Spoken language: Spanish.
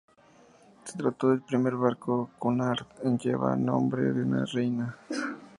Se trató del primer barco de Cunard en llevar el nombre de una reina.